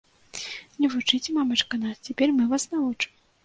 Не вучыце, мамачка, нас, цяпер мы вас навучым.